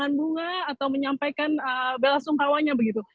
menyampaikan karangan bunga atau menyampaikan belasungkawanya begitu